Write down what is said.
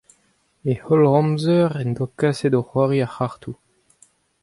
E holl amzer en doa kaset o c'hoari ar c'hartoù.